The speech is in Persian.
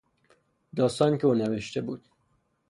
داستانی که او نوشته بود